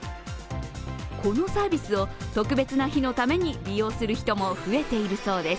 このサービスを特別な日のために利用する人も増えているそうです。